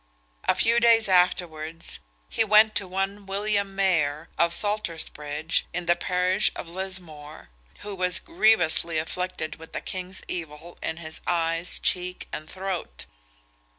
A few days afterwards, he went to one William Maher, of Saltersbridge, in the parish of Lismore, who was grievously afflicted with the king's evil in his eyes, cheek, and throat.